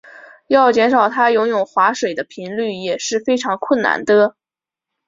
要减少他游泳划水的频率也是非常困难的。